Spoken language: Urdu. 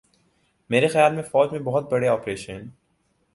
مارے خیال میں فوج میں بہت بڑے آپریشن